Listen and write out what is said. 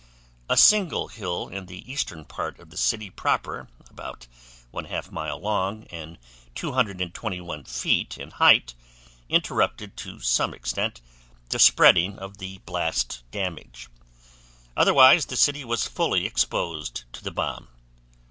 A single hill in the eastern part of the city proper about 1/2 mile long and 221 feet in height interrupted to some extent the spreading of the blast damage; otherwise the city was fully exposed to the bomb.